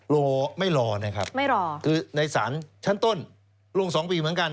รอไม่รอนะครับไม่รอคือในศาลชั้นต้นลง๒ปีเหมือนกัน